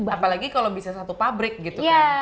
apalagi kalau bisa satu pabrik gitu kan